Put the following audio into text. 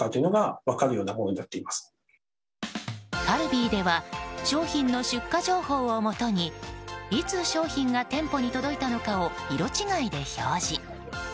カルビーでは商品の出荷情報をもとにいつ商品が店舗に届いたのかを色違いで表示。